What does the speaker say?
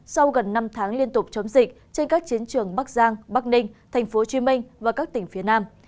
sau gần năm tháng liên tục chống dịch trên các chiến trường bắc giang bắc ninh tp hcm và các tỉnh phía nam